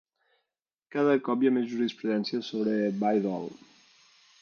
Cada cop hi ha més jurisprudència sobre Bayh-Dole.